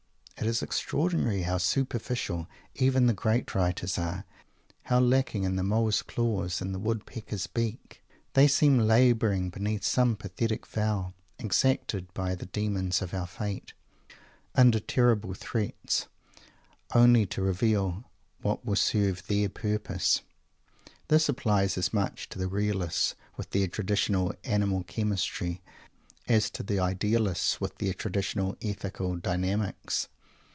It is extraordinary how superficial even the great writers are; how lacking in the Mole's claws, in the Woodpecker's beak! They seem labouring beneath some pathetic vow, exacted by the Demons of our Fate, under terrible threats, only to reveal what will serve their purpose! This applies as much to the Realists, with their traditional animal chemistry, as to the Idealists, with their traditional ethical dynamics.